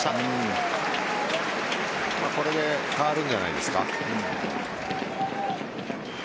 これで変わるんじゃないですか。